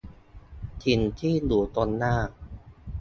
สิ่งที่อยู่ตรงหน้า